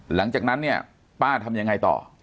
หลังจากนั้นเนี่ยป้าทำยังไงต่อ